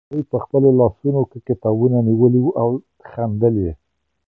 هغوی په خپلو لاسونو کې کتابونه نیولي وو او خندل یې.